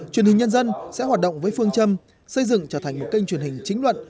truyền hình nhân dân sẽ hoạt động với phương châm xây dựng trở thành một kênh truyền hình chính luận